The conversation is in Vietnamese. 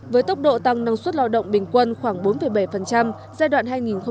với tốc độ tăng năng suất lao động bình quân khoảng bốn bảy giai đoạn hai nghìn một mươi một hai nghìn một mươi bảy